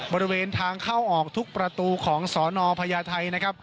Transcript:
บริเวณทางเข้าออกทุกประตูของสนพญาไทยนะครับ